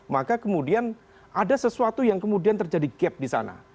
maka kemudian ada sesuatu yang kemudian terjadi gap di sana